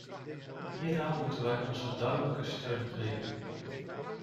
Hieraan moeten we onze duidelijke steun geven.